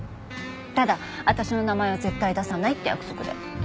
ただ私の名前は絶対出さないって約束で。